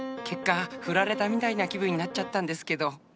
結果フラれたみたいな気分になっちゃたんですけど。